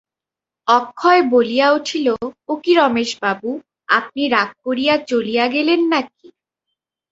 অক্ষয় বলিয়া উঠিল, ও কী রমেশবাবু, আপনি রাগ করিয়া চলিয়া গেলেন নাকি?